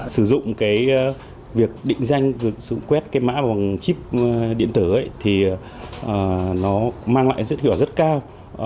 sử dụng việc định danh sử dụng quét mã bằng chip điện tử thì nó mang lại sự hiệu quả rất cao